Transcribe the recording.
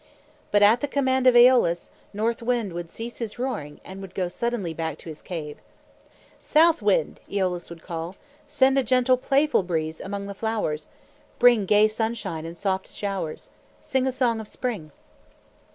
But at the command of Eolus, North Wind would cease his roaring and would go sullenly back to his cave. "South Wind!" Eolus would call. "Send a gentle, playful breeze among the flowers. Bring gay sunshine and soft showers. Sing a song of spring.